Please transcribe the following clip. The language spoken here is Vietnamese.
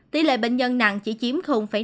tỷ lệ bệnh nhân nặng chỉ chiếm năm